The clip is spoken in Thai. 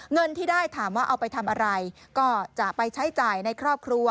เงินที่ได้ถามว่าเอาไปทำอะไรก็จะไปใช้จ่ายในครอบครัว